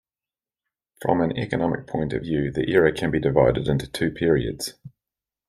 From an economic point of view, the era can be divided into two periods.